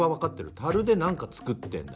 樽で何か作ってんだ。